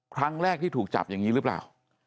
ครั้งแรกที่ถูกจับอย่างนี้หรือเปล่า